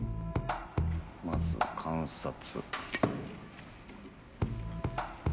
まずは観察。